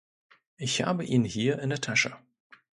Ich habe ihn hier in der Tasche.